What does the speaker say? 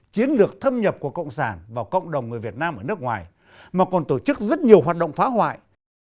chiến lược thâm nhập của cộng sản vào cộng đồng người việt nam ở nước ngoài mà còn tổ chức rất nhiều hoạt động phá hoại